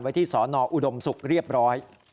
ที่สอนออุดมศุกร์เรียบร้อย